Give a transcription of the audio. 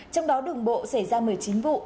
trong đó đường bộ xảy ra một mươi chín vụ